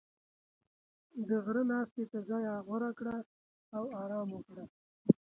• د غره ناستې ته ځای غوره کړه او آرام وکړه.